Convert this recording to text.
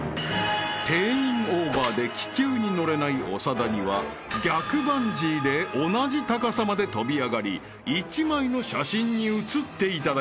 ［定員オーバーで気球に乗れない長田には逆バンジーで同じ高さまで跳び上がり一枚の写真に写っていただきます］